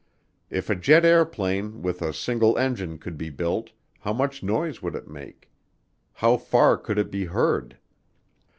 If a jet airplane with a silent engine could be built, how much noise would it make? How far could it be heard?